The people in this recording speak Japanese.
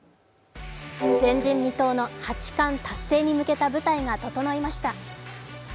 前人未到の八冠達成に向けた舞台が整いました。